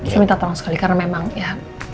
saya minta tolong sekali karena memang ya